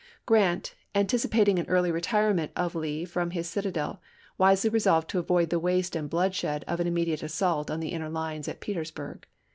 Grant, anticipating an early retirement of Lee from his citadel, wisely resolved to avoid the waste and bloodshed of an immediate assault on the inner lines at Petersburg.